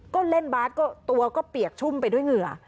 ก็เล่นบาสก็ตัวก็เปียกชุ่มไปด้วยเหงื่อ